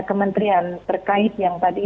kementerian terkait yang tadi